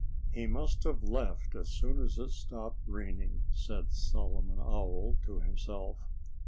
"He must have left as soon as it stopped raining," said Solomon Owl to himself.